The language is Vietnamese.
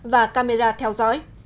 và camera theo dõi